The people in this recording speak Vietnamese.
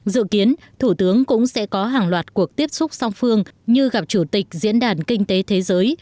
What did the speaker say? dự kiến thủ tướng cũng sẽ có hàng loạt cuộc tiếp xúc song phương như gặp chủ tịch diễn đàn kinh tế thế giới